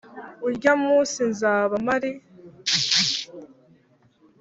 Urya munsi nzaba mari